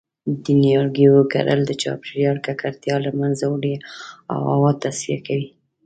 د نیالګیو کرل د چاپیریال ککړتیا له منځه وړی او هوا تصفیه کوی